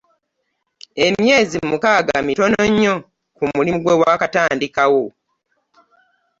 Emyezi mukaaga mitono nnyo ku mulimu gwe waakatandikawo.